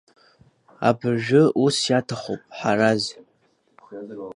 Абыржәы ус иаҭахуп, Ҳараз.